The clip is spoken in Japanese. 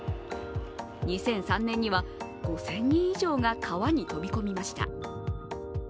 ２００３年には５０００人以上が川に飛び込みました。